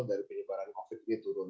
dari penyebaran covid ini turun